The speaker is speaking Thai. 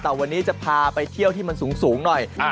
แต่วันนี้จะพาไปเที่ยวที่มันสูงหน่อย